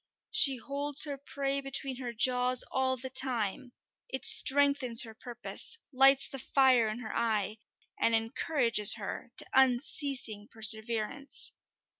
She holds her prey between her jaws all the time; it strengthens her purpose, lights the fire in her eye, and encourages her to unceasing perseverance.